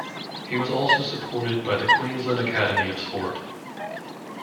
He was also supported by the Queensland Academy of Sport.